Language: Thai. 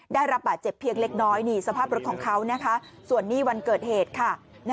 ได้รับบาดเจ็บเพียงเล็กน้อยนี่สภาพรถของเขานะคะส่วนนี้วันเกิดเหตุค่ะ